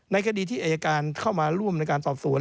คดีที่อายการเข้ามาร่วมในการสอบสวน